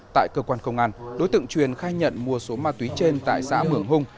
ngoại quan công an đối tượng chuyên khai nhận mua số ma túy trên tại xã mường hung